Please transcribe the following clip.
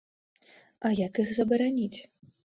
А як іх забараніць?